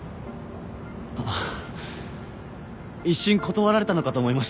一瞬断られたのかと思いました。